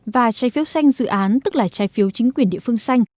và trái phiếu xanh dự án tức là trái phiếu chính quyền địa phương xanh